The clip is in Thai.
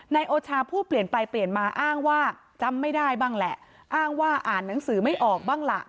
นายโอชาพูดเปลี่ยนไปเปลี่ยนมาอ้างว่าจำไม่ได้บ้างแหละอ้างว่าอ่านหนังสือไม่ออกบ้างล่ะ